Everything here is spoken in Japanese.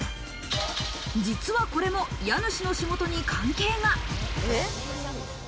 実はこれも家主の仕事に関係が。